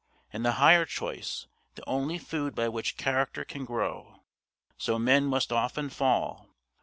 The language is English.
And the higher choice the only food by which character can grow! So men must often fall.